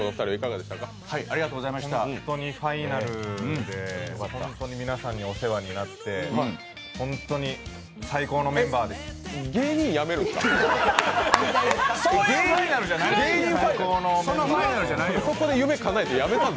ファイナルでホントに皆さんにお世話になってホントに最高のメンバーでした。